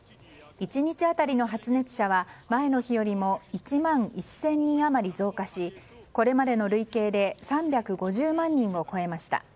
１日当たりの発熱者は前の日よりも１万１０００人余り増加しこれまでの累計で３５０万人を超えました。